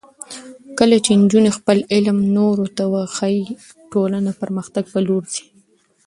کله چې نجونې خپل علم نورو ته وښيي، ټولنه د پرمختګ په لور ځي.